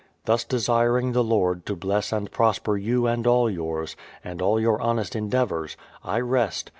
... Thus desiring the Lord to bless and prosper you and all yours, and all our honest endeavours, I rest.